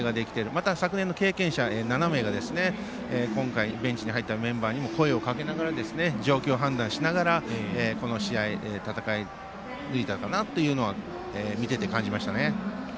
また、昨年の経験者７名が今回ベンチに入ったメンバーに声をかけながら状況判断しながらこの試合、戦い抜いたかなと見ていて、感じましたね。